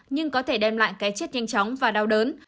nhưng có thể đem lại cái chết nhanh chóng và đau đớn